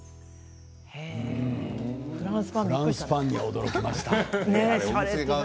フランスパンには驚きました。